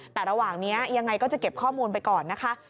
แต่ระหว่างนี้ยังไงก็จะเก็บข้อมูลไปก่อนนะคะ